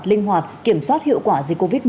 linh hoạt kiểm soát hiệu quả dịch covid một mươi chín